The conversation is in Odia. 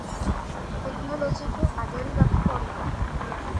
ଟେକନୋଲୋଜିକୁ ଆଦରିବାକୁ ପଡ଼ିବ ।